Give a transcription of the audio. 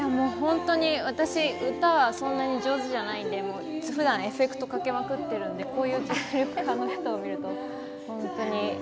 私、歌はそんなに上手じゃないので、普段、エフェクトかけまくってるので、こういう人を見ると本当に。